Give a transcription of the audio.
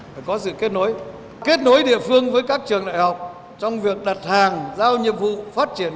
phải có sự kết nối kết nối địa phương với các trường đại học trong việc đặt hàng giao nhiệm vụ phát triển